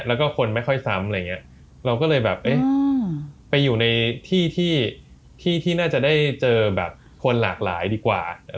แล้วก็คนไม่ค่อยซ้ำอะไรอย่างนี้เราก็เลยแบบเอ๊ะไปอยู่ในที่ที่น่าจะได้เจอแบบคนหลากหลายดีกว่า